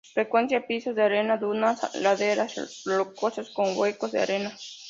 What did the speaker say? Frecuenta pisos de arena, dunas, y laderas rocosas con huecos de arena.